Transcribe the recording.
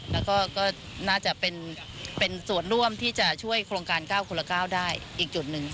แล้วก็น่าจะเป็นส่วนร่วมที่จะช่วยโครงการ๙คนละ๙ได้อีกจุดหนึ่ง